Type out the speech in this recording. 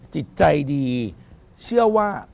จิตใจดีเชื่อว่า